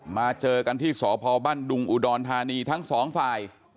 มาเจอกันที่สบดิทานีทั้งสองฝ่าย